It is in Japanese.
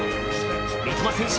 三笘選手